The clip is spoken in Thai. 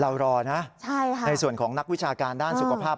รอนะในส่วนของนักวิชาการด้านสุขภาพ